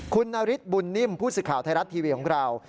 คุณนฤทธิบุญนิ่มผู้สื่อข่าวไทยรัฐทีวีของเรา